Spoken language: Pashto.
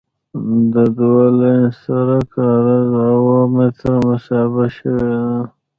د دوه لاین سرک عرض اوه متره محاسبه شوی دی